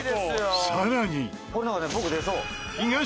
さらに。